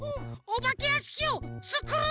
おばけやしきをつくる？